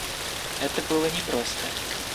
Это было непросто.